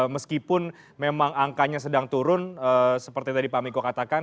meskipun memang angkanya sedang turun seperti tadi pak miko katakan